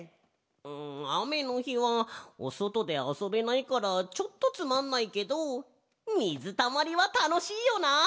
んあめのひはおそとであそべないからちょっとつまんないけどみずたまりはたのしいよな！